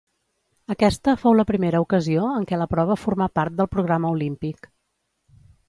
Aquesta fou la primera ocasió en què la prova formà part del programa Olímpic.